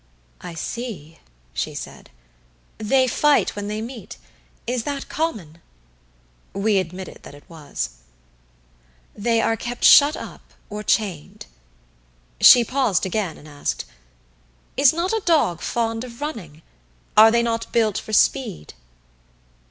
"I see," she said. "They fight when they meet is that common?" We admitted that it was. "They are kept shut up, or chained." She paused again, and asked, "Is not a dog fond of running? Are they not built for speed?"